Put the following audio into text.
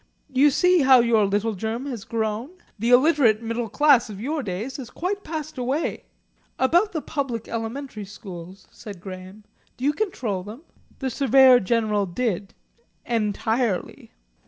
You see how your little germ has grown? The illiterate middle class of your days has quite passed away." "About the public elementary schools," said Graham. "Do you control them?" The Surveyor General did, "entirely."